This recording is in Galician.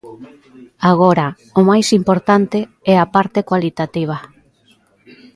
Agora, o máis importante é a parte cualitativa.